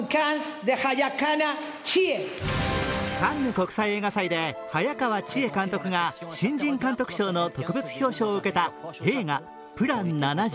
カンヌ国際映画祭で早川千絵監督が新人監督賞の特別表彰を受けた映画「ＰＬＡＮ７５」。